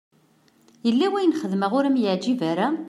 Yella wayen i xedmeɣ ur am-yeɛǧib ara?